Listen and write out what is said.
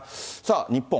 日本。